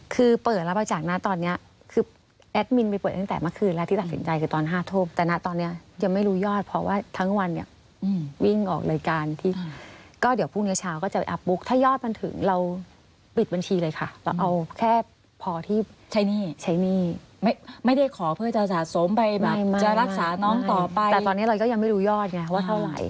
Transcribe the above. คือเปิดรับบริจาคนะตอนนี้คือแอดมินไปเปิดตั้งแต่เมื่อคืนแล้วที่ตัดสินใจคือตอน๕ทุ่มแต่นะตอนนี้ยังไม่รู้ยอดเพราะว่าทั้งวันเนี่ยวิ่งออกรายการที่ก็เดี๋ยวพรุ่งนี้เช้าก็จะไปอัพบุ๊กถ้ายอดมันถึงเราปิดบัญชีเลยค่ะเราเอาแค่พอที่ใช้หนี้ใช้หนี้ไม่ได้ขอเพื่อจะสะสมไปแบบจะรักษาน้องต่อไปแต่ตอนนี้เราก็ยังไม่รู้ยอดไงว่าเท่าไหร่